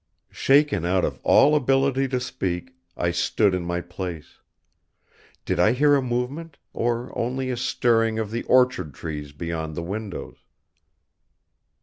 Shaken out of all ability to speak, I stood in my place. Did I hear a movement, or only a stirring of the orchard trees beyond the windows?